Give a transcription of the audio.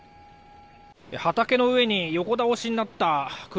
畑の上に横倒しになった車